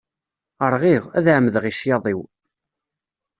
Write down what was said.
Rɣiɣ, ad ɛemmdeɣ i ccyaḍ-iw.